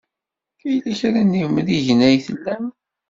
Yella kra n yimrigen ay tlam?